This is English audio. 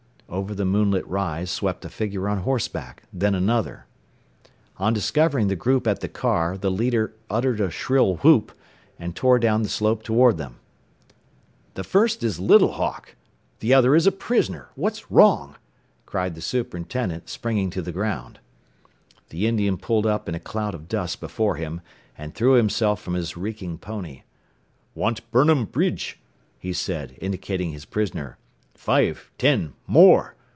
Over the moonlit rise swept a figure on horseback, then another. On discovering the group at the car, the leader uttered a shrill whoop, and tore down the slope toward them. "The first is Little Hawk! The other is a prisoner! What's wrong?" cried the superintendent, springing to the ground. The Indian pulled up in a cloud of dust before him, and threw himself from his reeking pony. "Want burnum bridge," he said, indicating his prisoner. "Five, ten, more!